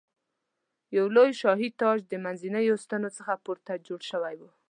یو لوی شاهي تاج د منځنیو ستنو څخه پورته جوړ شوی و.